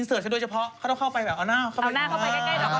มีต้มด้วยเฉพาะเขาต้องเข้าไปแบบเอาหน้าเอาหน้าเข้าไปใกล้ดอกไม้ดอกไม้